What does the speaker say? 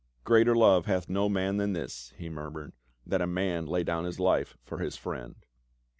" Greater love hath no man than this," he murmured, ^'that a man lay down his life for his friend."